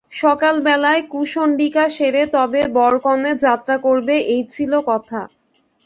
সকালবেলায় কুশণ্ডিকা সেরে তবে বরকনে যাত্রা করবে এই ছিল কথা।